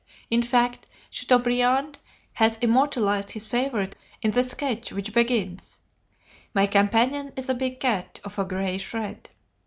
In fact, Chateaubriand has immortalized his favorite in the sketch which begins, 'My companion is a big cat, of a greyish red.'"